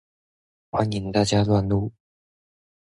歡迎大家亂入